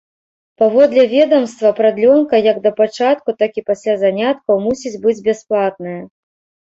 Паводле ведамства, прадлёнка як да пачатку, так і пасля заняткаў мусіць быць бясплатная.